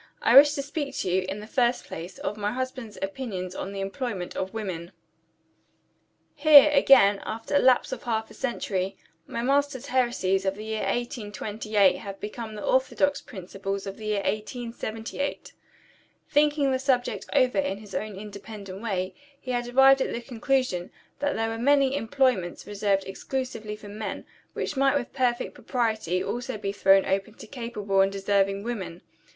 "I wish to speak to you, in the first place, of my husband's opinions on the employment of women." Here, again, after a lapse of half a century, my master's heresies of the year 1828 have become the orthodox principles of the year 1878. Thinking the subject over in his own independent way, he had arrived at the conclusion that there were many employments reserved exclusively for men, which might with perfect propriety be also thrown open to capable and deserving women.